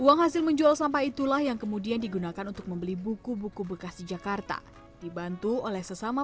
uang hasil menjual sampah itulah yang kemudian digunakan untuk membeli buku buku bekas di jakarta dibantu oleh sesama